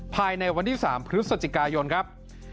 ภายในวันที่๓พฤศจิกายนครับ